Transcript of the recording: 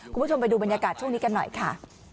คุณผู้ชมไปดูบรรยากาศช่วงนี้กันหน่อยค่ะ